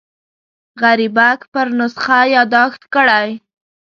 غریبک پر نسخه یاداښت کړی.